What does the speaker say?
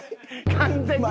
完全に。